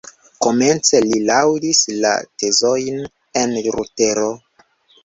Komence li laŭdis la tezojn de Lutero.